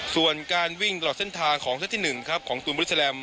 ส่วนการวิ่งตลอดเส้นทางของเซตที่๑ของตูนบริสแลม